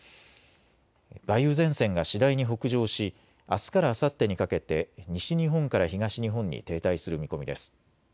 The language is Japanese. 梅雨前線が次第に北上しあすからあさってにかけて西日本から東日本に停滞する見込みです。